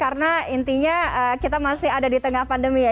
karena intinya kita masih ada di tengah pandemi ya